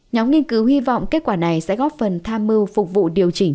nhóm nghiên cứu hy vọng kết quả này sẽ góp phần tham mưu phục vụ điều chỉnh